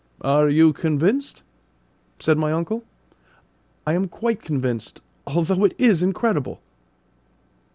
"Are you convinced?" said my uncle. "I am quite convinced, although it is incredible!"